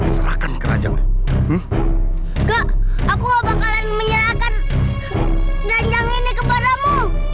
serahkan keranjangnya enggak aku bakalan menyerahkan janjang ini kepadamu